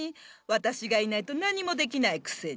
私がいないと何もできないくせに。